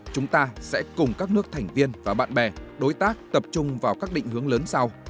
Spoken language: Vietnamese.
chúng ta sẽ cùng các nước thành viên và bạn bè đối tác tập trung vào các định hướng lớn sau